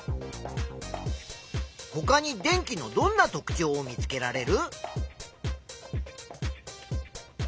ほかに電気のどんな特ちょうを見つけられる？